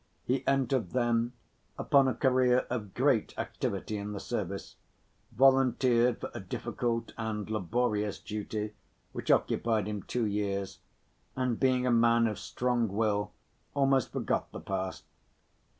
He entered then upon a career of great activity in the service, volunteered for a difficult and laborious duty, which occupied him two years, and being a man of strong will almost forgot the past.